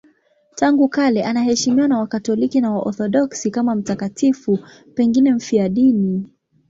Tangu kale anaheshimiwa na Wakatoliki na Waorthodoksi kama mtakatifu, pengine mfiadini.